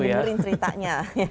kita dengerin ceritanya